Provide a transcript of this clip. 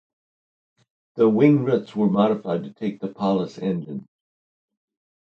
The wing roots were modified to take the Palas engines.